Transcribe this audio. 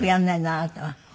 あなたは。